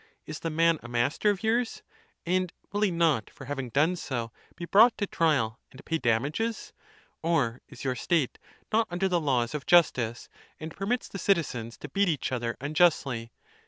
Is the man a master of yours? and will he not, for having done so, be brought to trial, and pay damages? Or is your state not under the laws of justice, and permits the citizens to beat each other unjustly